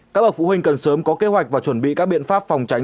các bậc phụ huynh cần sớm có kế hoạch và chuẩn bị các biện pháp phòng tránh